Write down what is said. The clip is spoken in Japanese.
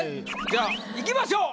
じゃあいきましょう。